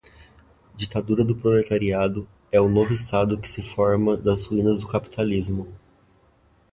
Ditadura do proletariado é o novo estado que se forma das ruínas do capitalismo